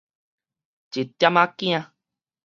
一點仔囝